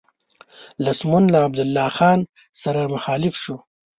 لمسون له عبدالرحمن خان سره مخالف شو.